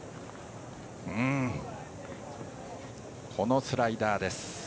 このスライダーです。